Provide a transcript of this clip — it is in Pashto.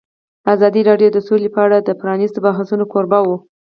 ازادي راډیو د سوله په اړه د پرانیستو بحثونو کوربه وه.